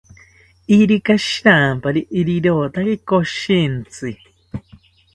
Irika shirampari rirotaki koshintzi